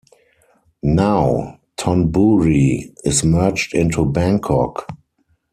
Now Thonburi is merged into Bangkok.